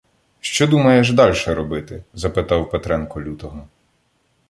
— Що думаєш дальше робити? — запитав Петренко Лютого.